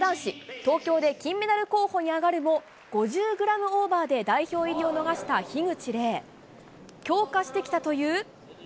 東京で金メダル候補に挙がるも、５０グラムオーバーで代表入りを逃した樋口黎。